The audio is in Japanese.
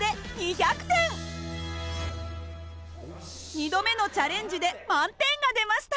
２度目のチャレンジで満点が出ました。